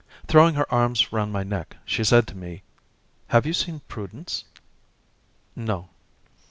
Throwing her arms round my neck, she said to me: "Have you seen Prudence?" "No."